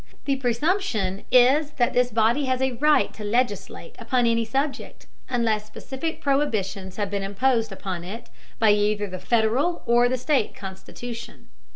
The presumption is that this body has a right to legislate upon any subject, unless specific prohibitions have been imposed upon it by either the Federal or the state constitution.